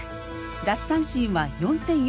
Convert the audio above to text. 奪三振は４，４９０。